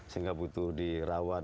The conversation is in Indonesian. sehingga butuh dirawat